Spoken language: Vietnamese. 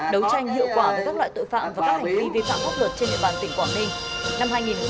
đấu tranh hiệu quả với các loại tội phạm và các hành vi vi phạm pháp luật trên địa bàn tỉnh quảng ninh